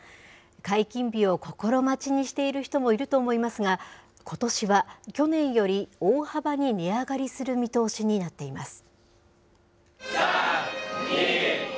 解禁日を心待ちにしている人もいると思いますが、ことしは、去年より大幅に値上がりする見通しになっています。